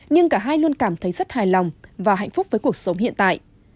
nhưng cả hai luôn cảm thấy rất hài lòng và hạnh phúc với cuộc sống hiện tại